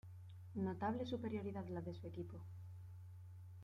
Notable superioridad la de su equipo.